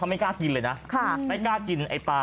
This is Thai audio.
ไม่กล้ากินเลยนะไม่กล้ากินไอ้ปลา